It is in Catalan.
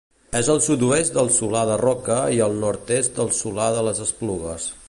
És al sud-oest del Solà de Roca i al nord-est del Solà de les Esplugues.